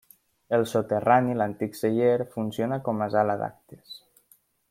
El soterrani, l'antic celler, funciona com a sala d'actes.